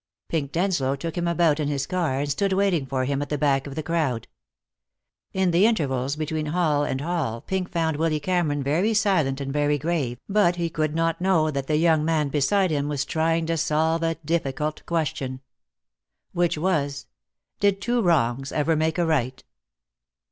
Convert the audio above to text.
Pink Denslow took him about in his car, and stood waiting for him at the back of the crowd. In the intervals between hall and hall Pink found Willy Cameron very silent and very grave, but he could not know that the young man beside him was trying to solve a difficult question. Which was: did two wrongs ever make a right?